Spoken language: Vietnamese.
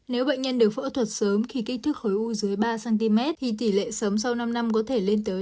nếu bệnh nhân được phẫu thuật sớm khi kích thước khối u dưới ba cm thì tỷ lệ sớm sau năm năm có thể lên tới tám mươi chín mươi